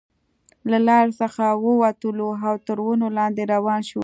له لارې څخه وو وتلو او تر ونو لاندې روان شوو.